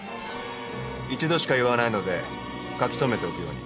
一度しか言わないので書き留めておくように。